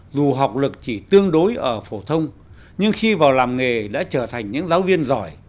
dù học lực chỉ tương đối ở phổ thông nhưng khi vào làm nghề đã trở thành những giáo viên giỏi